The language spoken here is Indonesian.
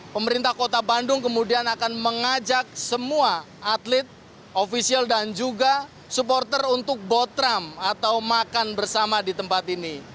pemerintah kota bandung kemudian akan mengajak semua atlet ofisial dan juga supporter untuk botram atau makan bersama di tempat ini